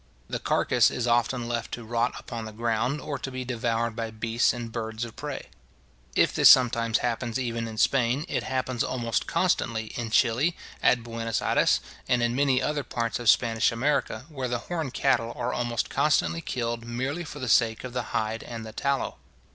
The carcase is often left to rot upon the ground, or to be devoured by beasts and birds of prey. If this sometimes happens even in Spain, it happens almost constantly in Chili, at Buenos Ayres, and in many other parts of Spanish America, where the horned cattle are almost constantly killed merely for the sake of the hide and the tallow.